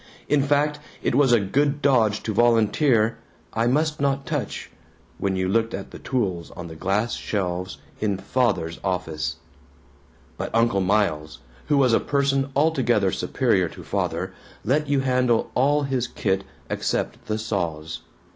In fact it was a good dodge to volunteer "I must not touch," when you looked at the tools on the glass shelves in Father's office. But Uncle Miles, who was a person altogether superior to Father, let you handle all his kit except the saws.